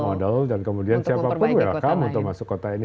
model dan kemudian siapa pun berapa untuk masuk kota ini